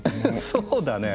そうだね。